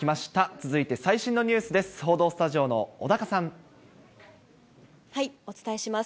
続いて最新のニュースです。